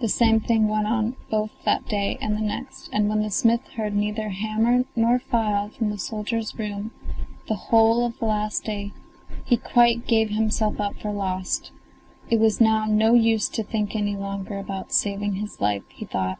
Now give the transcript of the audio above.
The same thing went on both that day and the next; and when the smith heard neither hammer nor file from the soldier's room the whole of the last day, he quite gave himself up for lost; it was now no use to think any longer about saving his life, he thought.